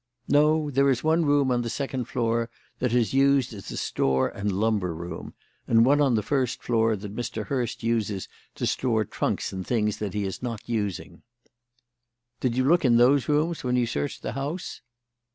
"No; there is one room on the second floor that is used as a store and lumber room, and one on the first floor that Mr. Hurst uses to store trunks and things that he is not using." "Did you look in those rooms when you searched the house?"